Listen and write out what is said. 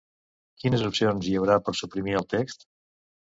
Quines opcions hi haurà per suprimir el text?